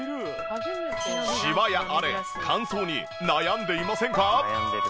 シワや荒れ乾燥に悩んでいませんか？